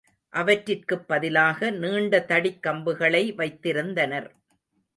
அவற்றிற்குப் பதிலாக நீண்ட தடிக் கம்புகளை வைத்திருந்தனர்.